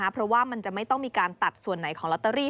เพราะว่ามันจะไม่ต้องมีการตัดส่วนไหนของลอตเตอรี่